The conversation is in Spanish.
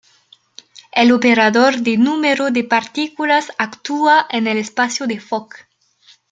El operador de número de partículas actúa en el espacio de Fock.